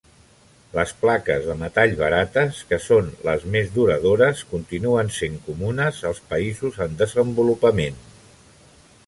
Les plaques de metall barates, que són les més duradores, continuen sent comunes als països en desenvolupament.